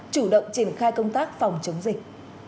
chủ động triển khai công tác phòng chống dịch